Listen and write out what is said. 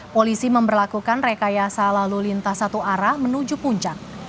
polisi memperlakukan rekayasa lalu lintas satu arah menuju puncak